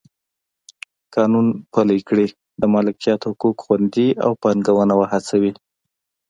قانون پلی کړي د مالکیت حقوق خوندي او پانګونه وهڅوي.